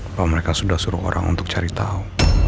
bahwa mereka sudah suruh orang untuk cari tahu